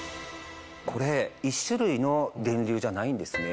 これ１種類の電流じゃないんですね。